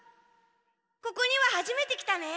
ここにははじめて来たね。